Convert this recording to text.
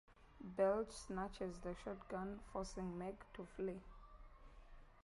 Belch snatches the shotgun, forcing Meg to flee.